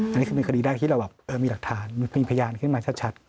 อันนี้คือเป็นคดีแรกที่เราแบบมีหลักฐานมีพยานขึ้นมาชัด